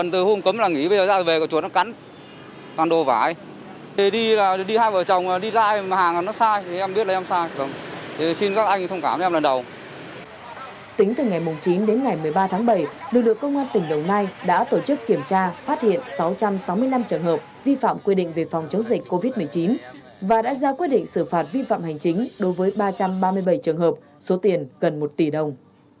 tính từ ngày chín đến ngày một mươi ba tháng bảy lực lượng công an tỉnh đồng nai đã tổ chức kiểm tra phát hiện sáu trăm sáu mươi năm trường hợp vi phạm quy định về phòng chống dịch covid một mươi chín và đã ra quy định xử phạt vi phạm hành chính đối với ba trăm ba mươi bảy trường hợp số tiền gần một tỷ đồng